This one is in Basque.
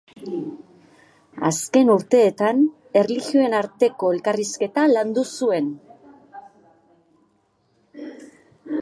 Azken urteetan erlijioen arteko elkarrizketa landu zuen.